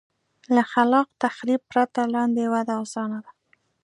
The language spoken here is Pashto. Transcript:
له خلاق تخریب پرته لاندې وده اسانه ده.